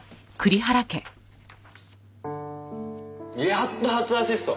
やっと初アシスト！